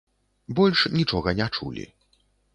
Больш нічога не чулі.